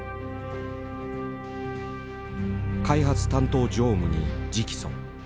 開発担当常務に直訴。